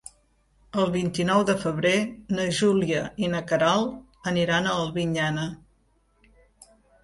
El vint-i-nou de febrer na Júlia i na Queralt aniran a Albinyana.